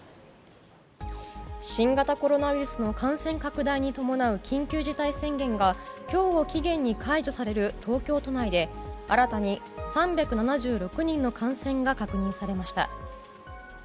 新型コロナウイルスの感染拡大に伴う緊急事態宣言が今日を期限に解除される東京都内で新たに３７６人の感染が確認されました。